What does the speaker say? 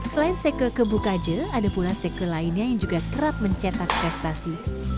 selain seke kebuk aja ada pula seke lainnya yang juga kerap mencetak prestasi